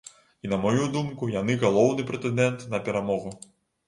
І на маю думку, яны галоўны прэтэндэнт на перамогу.